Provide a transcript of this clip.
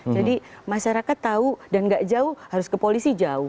jadi masyarakat tahu dan tidak jauh harus ke polisi jauh